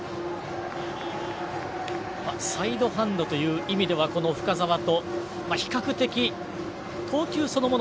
サイドハンドという意味では深沢と比較的、投球そのもの